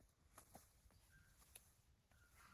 কিন্তু এটা তো অসম্ভব!